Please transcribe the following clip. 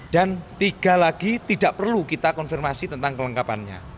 dan tiga lagi tidak perlu kita konfirmasi tentang kelengkapannya